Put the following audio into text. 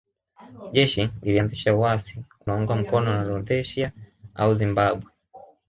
Jeshi lilianzisha uasi unaoungwa mkono na Rhodesia au Zimbabwe